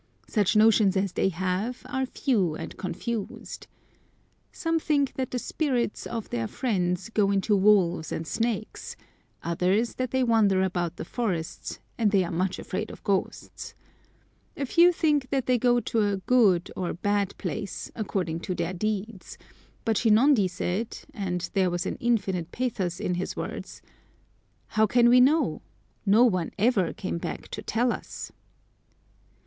Such notions as they have are few and confused. Some think that the spirits of their friends go into wolves and snakes; others, that they wander about the forests; and they are much afraid of ghosts. A few think that they go to "a good or bad place," according to their deeds; but Shinondi said, and there was an infinite pathos in his words, "How can we know? No one ever came back to tell us!"